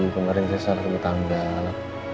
kemarin saya salah sebut tanggal